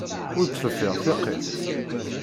Ur d-teffiɣ tiqit.